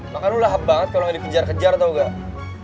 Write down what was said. makan lu lahap banget kalo gak dikejar kejar tau gak